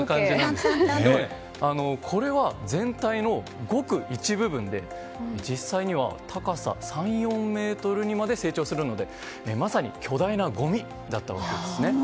これは全体のごく一部分で実際には、高さ３４ｍにまで生長するので、まさに巨大なごみだったわけですね。